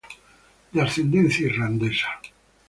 De ascendencia irlandesa.